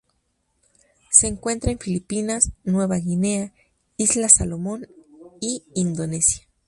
Se encuentra en Filipinas, Nueva Guinea, Islas Salomón y Indonesia.